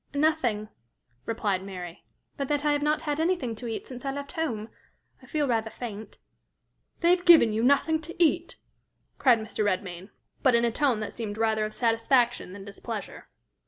"Nothing," replied Mary, "but that I have not had anything to eat since I left home. I feel rather faint." "They've given you nothing to eat!" cried Mr. Redmain, but in a tone that seemed rather of satisfaction than displeasure.